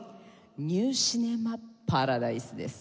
『ニュー・シネマ・パラダイス』です。